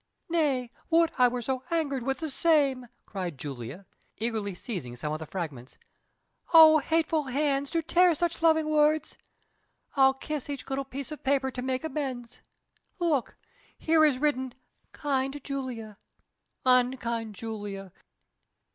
"Nay, would I were so angered with the same!" cried Julia, eagerly seizing some of the fragments. "O hateful hands to tear such loving words! I'll kiss each little piece of paper to make amends. Look! here is written 'Kind Julia!' Unkind Julia!